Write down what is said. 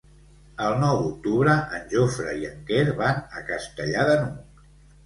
El nou d'octubre en Jofre i en Quer van a Castellar de n'Hug.